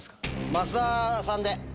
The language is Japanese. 増田さんで。